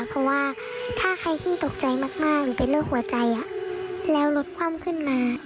เพราะว่าถ้าใครขี้ตกใจมากหรือเป็นโรคหัวใจแล้วรถคว่ำขึ้นมา